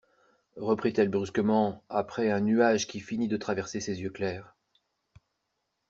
Reprit-elle brusquement, après un nuage qui finit de traverser ses yeux clairs.